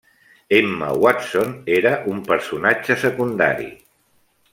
Emma Watson era un personatge secundari.